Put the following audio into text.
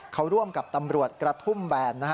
เขาร่วมกับตำรวจกระทุ่มแบน